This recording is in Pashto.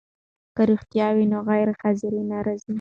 که روغتیا وي نو غیرحاضري نه راځي.